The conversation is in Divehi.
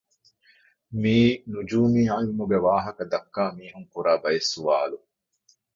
މިއީ ނުޖޫމީ ޢިލްމުގެ ވާހަކަ ދައްކާ މީހުން ކުރާ ބައެއް ސުވާލު